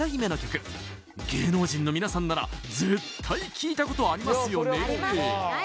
芸能人のみなさんなら絶対聴いたことありますよね？